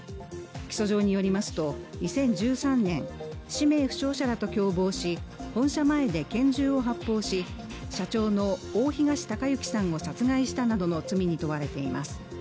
起訴状によりますと、２０１３年、氏名不詳者らと共謀し本社前で拳銃を発砲し、社長の大東隆行さんを殺害したなどの罪に問われています。